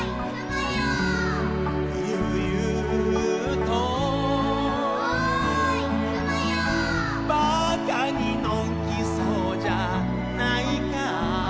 「ゆうゆうと」「馬鹿にのんきそうじゃないか」